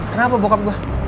kenapa bokap gue